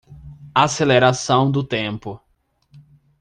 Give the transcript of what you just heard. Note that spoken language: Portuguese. Aceleração do tempo.